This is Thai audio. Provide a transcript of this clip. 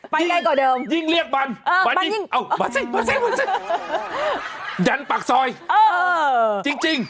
ไกลกว่าเดิมยิ่งเรียกมันมันยิ่งยันปากซอยจริง